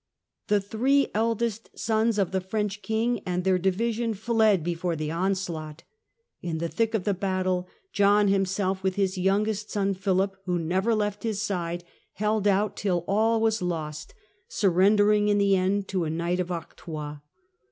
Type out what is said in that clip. The three eldest sons of the French King and their division fled before the onslaught. In the thick of the battle, John himself with his youngest son Philip, who never left his side, held out till all was lost, surrendering in the end to a Knight of Artois.